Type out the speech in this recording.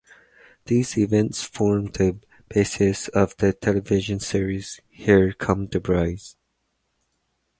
These events formed the basis of the television series "Here Come the Brides".